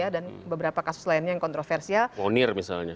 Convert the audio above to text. dan beberapa kasus lainnya yang kontroversial